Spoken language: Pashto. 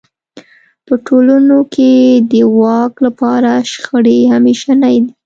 په ټولنو کې د واک لپاره شخړې همېشنۍ دي.